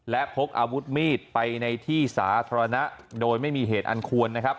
และพกอาวุธมีดไปในที่สาธารณะโดยไม่มีเหตุอันควรนะครับ